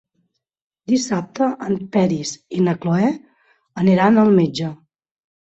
Dissabte en Peris i na Cloè aniran al metge.